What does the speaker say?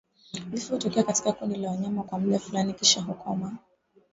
Vifo hutokea katika kundi la wanyama kwa muda Fulani kisha hukoma